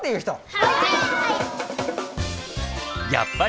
はい！